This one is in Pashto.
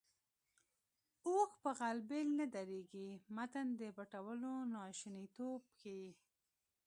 اوښ په غلبېل نه درنېږي متل د پټولو ناشونیتوب ښيي